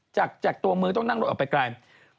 จากตัวมือต้องนั่งรถออกไปไกล